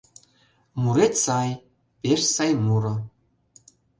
Мурет сай, пеш сай муро.